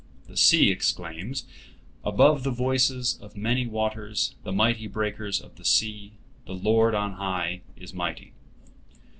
The sea exclaims, "Above the voices of many waters, the mighty breakers of the sea, the Lord on high is mighty."